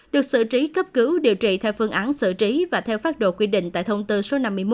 được xử trí cấp cứu điều trị theo phương án xử trí và theo phát đồ quy định tại thông tư số năm mươi một